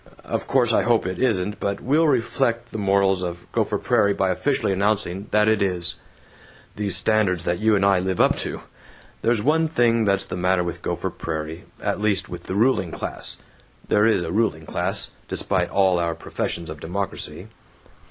... Of course I hope it isn't, but we'll reflect the morals of Gopher Prairie by officially announcing that it is! ... These standards that you and I live up to! There's one thing that's the matter with Gopher Prairie, at least with the ruling class (there is a ruling class, despite all our professions of democracy).